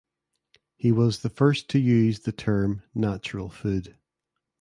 He was the first to use the term natural food.